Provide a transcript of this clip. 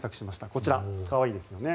こちら、可愛いですよね。